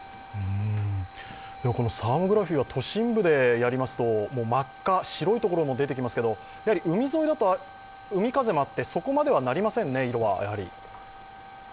サーモグラフィーは都心部でやりますと真っ赤、白い所も出てきますけど海沿いだと海風もあって、そこまでには色はなりませんね。